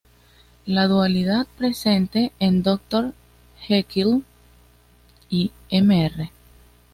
La dualidad presente en "Dr. Jekyll y Mr.